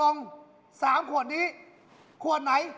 เออนั่นแหละ